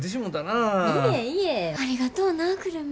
ありがとうな久留美。